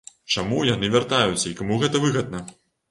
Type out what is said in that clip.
Чаму яны вяртаюцца і каму гэта выгадна?